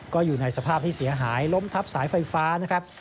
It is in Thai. ก็อยู่ในสภาพที่เสียหายล้มทับสายไฟฟ้านะครับ